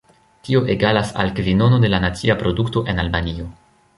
Tio egalas al kvinono de la nacia produkto en Albanio.